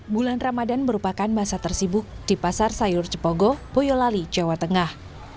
bulan ramadan merupakan masa tersibuk di pasar sayur cepogo boyolali jawa tengah